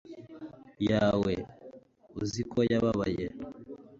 yawe uziko yababaye